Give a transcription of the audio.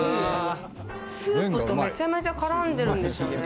スープとめちゃめちゃ絡んでるんですよね。